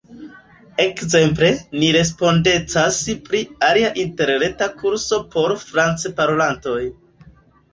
Ekzemple, ni respondecas pri alia interreta kurso por francparolantoj.